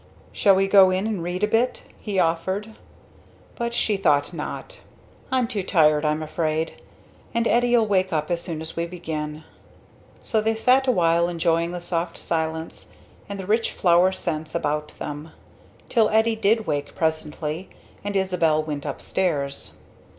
"Shall we go in and read a bit?" he offered; but she thought not. "I'm too tired, I'm afraid. And Eddie'll wake up as soon as we begin." So they sat awhile enjoying the soft silence, and the rich flower scents about them, till Eddie did wake presently, and Isabel went upstairs.